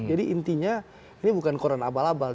jadi intinya ini bukan koran abal abal